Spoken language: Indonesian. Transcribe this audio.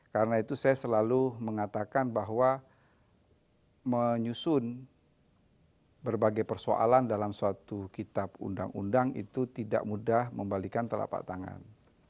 karena itu saya selalu mengatakan bahwa menyusun berbagai persoalan dalam suatu kitab undang undang itu tidak mudah membalikan telapak tangan